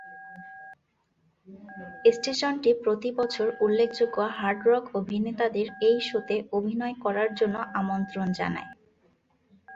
স্টেশনটি প্রতি বছর উল্লেখযোগ্য হার্ড রক অভিনেতাদের এই শোতে অভিনয় করার জন্য আমন্ত্রণ জানায়।